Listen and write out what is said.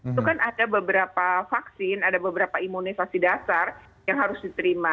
itu kan ada beberapa vaksin ada beberapa imunisasi dasar yang harus diterima